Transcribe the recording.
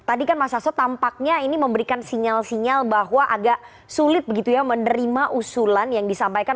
tadi kan mas hasto tampaknya ini memberikan sinyal sinyal bahwa agak sulit begitu ya menerima usulan yang disampaikan